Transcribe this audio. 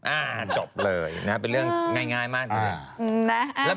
อ่าจบเลยนะเป็นเรื่องง่ายมากทีเดียว